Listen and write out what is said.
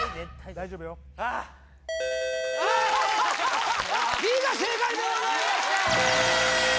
大丈夫よＢが正解でございました